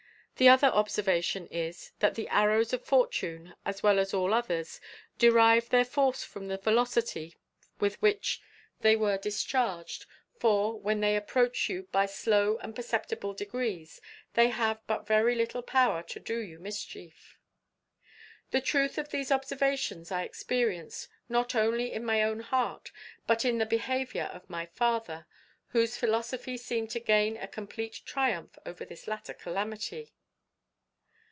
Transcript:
The other observation is, that the arrows of fortune, as well as all others, derive their force from the velocity with which they are discharged; for, when they approach you by slow and perceptible degrees, they have but very little power to do you mischief. "The truth of these observations I experienced, not only in my own heart, but in the behaviour of my father, whose philosophy seemed to gain a complete triumph over this latter calamity.